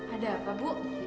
ada apa bu